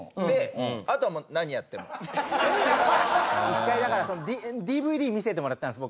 一回だからＤＶＤ見せてもらったんです